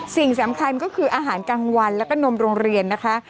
สิ่งสำคัญก็คืออาหารกลางวันแล้วก็นมโรงเรียนนะคะ